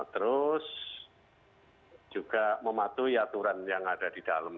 terus juga mematuhi aturan yang ada di dalam